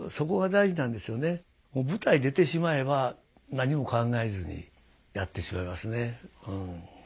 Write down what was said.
もう舞台出てしまえば何も考えずにやってしまいますねうん。